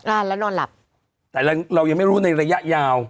อ่าแล้วนอนหลับแต่เราเรายังไม่รู้ในระยะยาว